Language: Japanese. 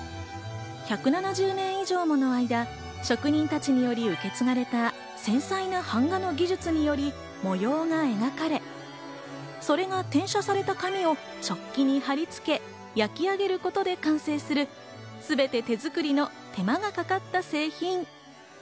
１７０年以上もの間、職人たちにより受け継がれた繊細な版画の技術により模様が描かれ、それが転写された紙を食器に貼り付け、焼き上げることで完成するすべて手づくりの手間がかかった製品。